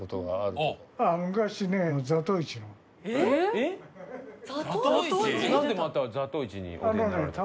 なんでまた『座頭市』にお出になられた？